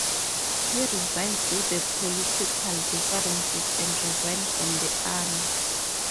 He resigned due to political differences and resigned from the army.